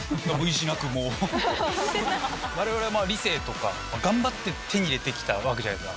我々理性とか頑張って手に入れて来たじゃないですか。